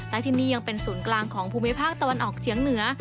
และที่นี่ยังเป็นศูนย์กลางของภูมิภาคตะวันออกเฉียงเหนือ